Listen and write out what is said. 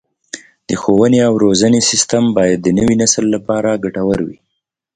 د ښوونې او روزنې سیستم باید د نوي نسل لپاره ګټور وي.